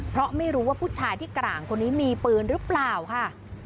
เพราะไม่รู้ว่าผู้ชายที่กลางคนนี้มีปืนหรือเปล่าค่ะ